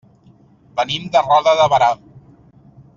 Venim de Roda de Berà.